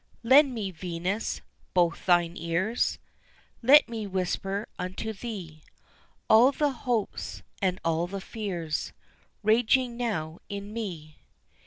Lend me Venus, both thine ears; Let me whisper unto thee All the hopes and all the fears Raging now in me.